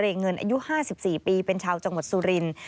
เงินอายุ๕๔ปีเป็นชาวจังหวัดสุรินทร์